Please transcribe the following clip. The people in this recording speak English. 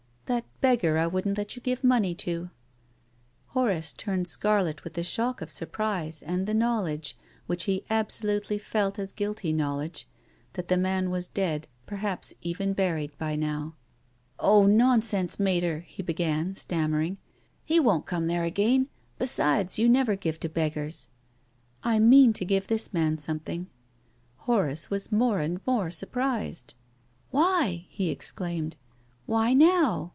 " That beggar I wouldn't let you give money to. Horace turned scarlet with the shock of surprise and the knowledge — which he absurdly felt as THE LADY AND THE BEGGAR. 363 guilty knowledge — that the man was dead, per haps even buried by now. " Oh, nonsense. Mater !" he began, stammering. " He won't come there again. Besides, you never give to beggars." " I mean to give this man something." Horace was more and more surprised. "Why?" he exclaimed. "Why now?